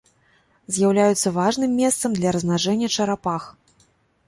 З'яўляюцца важным месцам для размнажэння чарапах.